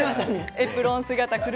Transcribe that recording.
エプロン姿。